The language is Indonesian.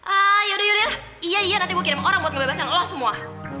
ah yaudah yaudah iya iya nanti gue kirim orang buat ngebebasin lo semua